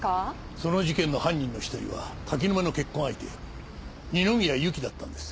その事件の犯人の一人は柿沼の結婚相手二宮ゆきだったんです。